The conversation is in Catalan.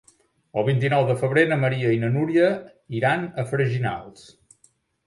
El vint-i-nou de febrer na Maria i na Núria iran a Freginals.